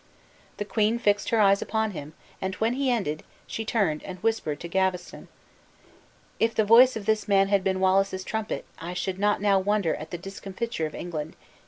The queen fixed her eyes upon him; and when he ended, she turned and whispered Gavestton: "If the voice of this man had been Wallace's trumpet, I should not now wonder at the discomfiture of England.